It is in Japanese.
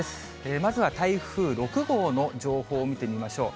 まずは台風６号の情報を見てみましょう。